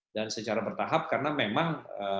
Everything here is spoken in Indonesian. dan secara bertahap karena memang